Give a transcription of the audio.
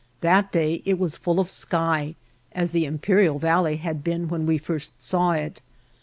That day it was full of sky, as the Imperial Valley had been when we first saw it.